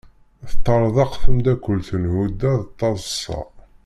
Teṭṭerḍeq temdakelt n Huda d taḍsa.